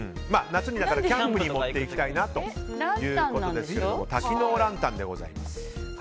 夏にキャンプに持っていきたいなということですけども多機能ランタンでございます。